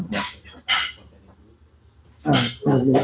dengan situasi yang seperti hari ini